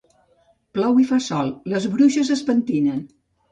Plou i fa sol, les bruixes es pentinen